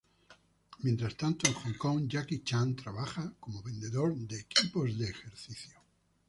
Mientras tanto, en Hong Kong, Jackie Chan trabaja como vendedor de equipos de ejercicio.